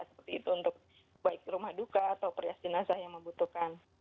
seperti itu untuk baik rumah duka atau perias jenazah yang membutuhkan